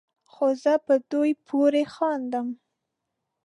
خو زه په دوی پورې خاندم